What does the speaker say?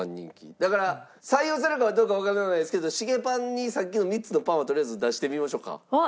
だから採用されるかどうかわからないですけどしげぱんにさっきの３つのパンをとりあえず出してみましょうか。